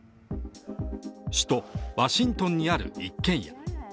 首都ワシントンにある一軒家。